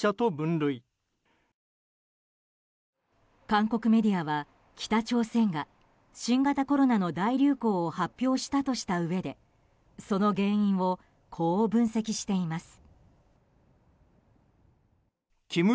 韓国メディアは北朝鮮が新型コロナの大流行を発表したとしたうえでその原因をこう分析しています。